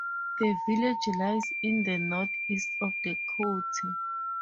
The village lies in the north east of the county.